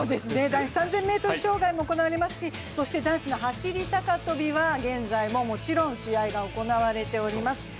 男子３０００ｍ障害も行われますし、そして男子の走高跳は現在ももちろん試合が行われています。